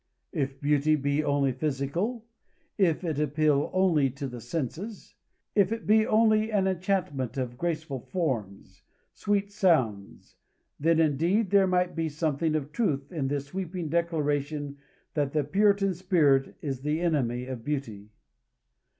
If beauty be only physical, if it appeal only to the senses, if it be only an enchantment of graceful forms, sweet sounds, then indeed there might be something of truth in this sweeping declaration that the Puritan spirit is the enemy of beauty.